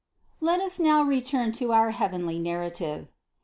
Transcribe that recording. Let us now return to our heavenly narrative.